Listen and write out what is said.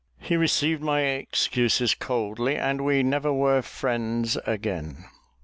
He received my excuses coldly, and we never were friends again.